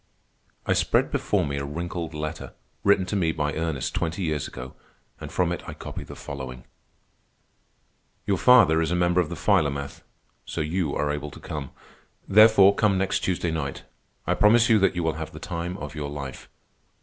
I spread before me a wrinkled letter, written to me by Ernest twenty years ago, and from it I copy the following: "Your father is a member of the Philomath, so you are able to come. Therefore come next Tuesday night. I promise you that you will have the time of your life.